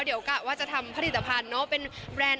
เดี๋ยวกะว่าจะทำผลิตภัณฑ์เนอะเป็นแบรนด์